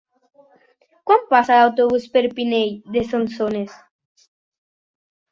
Quan passa l'autobús per Pinell de Solsonès?